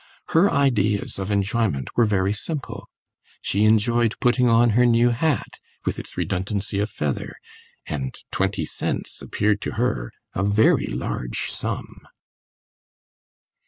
Her ideas of enjoyment were very simple; she enjoyed putting on her new hat, with its redundancy of feather, and twenty cents appeared to her a very large sum.